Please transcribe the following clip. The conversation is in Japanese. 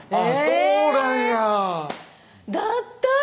そうなんやだったら！